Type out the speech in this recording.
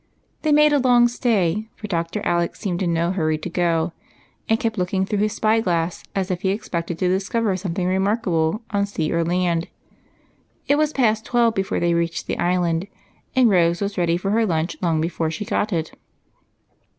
They made a long stay, for Dr. Alec seemed in no hurry to go, and kept looking through his spy glass as if he expected to discover something remarkable on sea or land. It was past twelve before they reached the Island, and Rose was ready for her lunch long before she got it.